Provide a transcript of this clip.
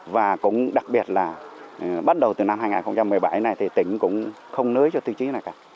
và cũng đặc biệt là bắt đầu từ năm hai nghìn một mươi bảy này thì tỉnh cũng không nới cho tiêu chí này cả